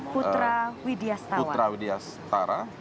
putra widya setara